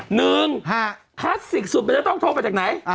คลาสสิกสุดมันจะต้องโทรมาจากไหน